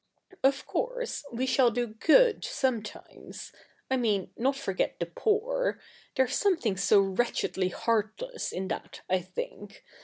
Of course we shall do good sometimes — I mean, not forget the poor — there's something so wretchedly heartless in that, I think.